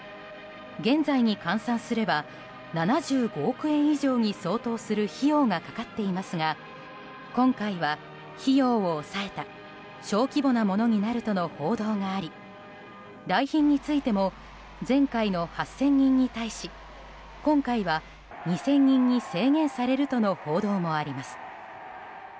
現在に換算すれば７５億円以上に相当する費用がかかっていますが今回は費用を抑えた小規模なものになるとの報道があり来賓についても前回の８０００人に対し今回は２０００人に制限されるとの報道もあります。